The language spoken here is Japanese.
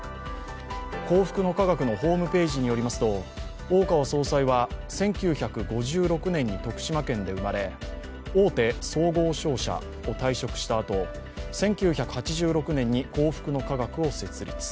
幸福の科学のホームページによりますと大川総裁は１９５６年に徳島県で生まれ大手総合商社を退職したあと１９８６年に幸福の科学を設立。